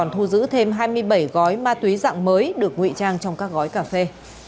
thu giữ thêm hai mươi bảy gói ma túy dạng mới được nguy trang trong các gói cà phê